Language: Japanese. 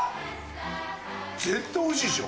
絶対おいしいでしょ。